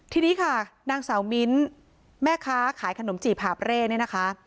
ทีนี้ค่ะนางสาวมิ้นแม่ค้าขายขนมจีบหาบเร่เนี่ยนะคะ